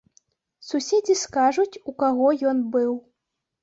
Суседзі скажуць, у каго ён быў.